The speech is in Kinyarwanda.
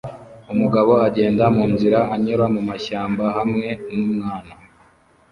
Umugabo agenda munzira anyura mumashyamba hamwe numwana